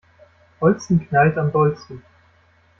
Holsten knallt am dollsten.